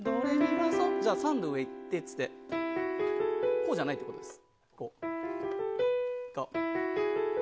３度上行ってこうじゃないってことです。